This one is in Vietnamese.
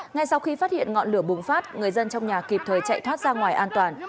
ngay sau khi phát hiện ngọn lửa bùng phát người dân trong nhà kịp thời chạy thoát ra ngoài an toàn